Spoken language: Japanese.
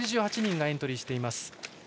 ８８人がエントリーしています。